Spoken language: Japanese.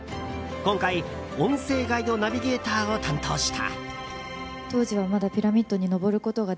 今回、音声ガイドナビゲーターを担当した。